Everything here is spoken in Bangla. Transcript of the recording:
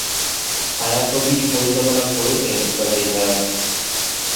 ছায়াছবিটি পরিচালনা করেছেন কাজী হায়াৎ।